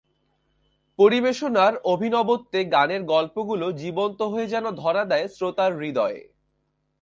পরিবেশনার অভিনবত্বে গানের গল্পগুলো জীবন্ত হয়ে যেন ধরা দেয় শ্রোতার হৃদয়ে।